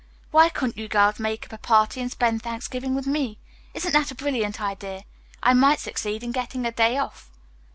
Why couldn't you girls make up a party and spend Thanksgiving with me? Isn't that a brilliant idea? I might succeed in getting a day off.